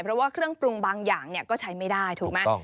เพราะว่าเครื่องปรุงบางอย่างก็ใช้ไม่ได้ถูกไหม